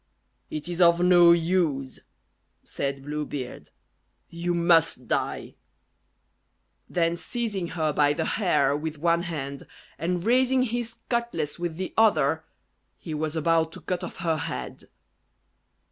"It is of no use," said Blue Beard. "You must die!" Then seizing her by the hair with one hand, and raising his cutlass with the other, he was about to cut off her head.